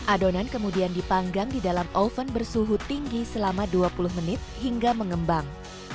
adonan kemudian dipanggang di dalam oven bersuhu tinggi selama dua puluh menit hingga mengembang